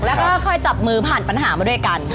แล้วก็ค่อยจับมือผ่านปัญหามาด้วยกัน